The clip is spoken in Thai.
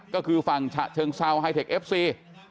ก็คือฝั่งฉะเชิงเซาไฮเทคเอฟซี